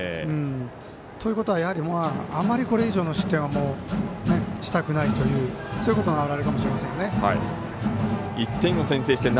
ということはあまりこれ以上の失点はしたくないという表れかもしれませんね。